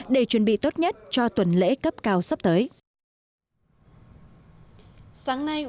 để chuẩn bị tốt nhất cho tuần lễ cấp cao sắp tới